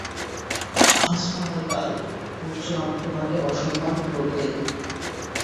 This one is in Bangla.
আজ না হয় কাল, লোকজন তোমাকে অসম্মান করবেই।